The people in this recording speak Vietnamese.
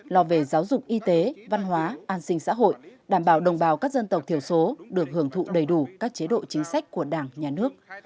lo về giáo dục y tế văn hóa an sinh xã hội đảm bảo đồng bào các dân tộc thiểu số được hưởng thụ đầy đủ các chế độ chính sách của đảng nhà nước